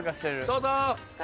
どうぞ！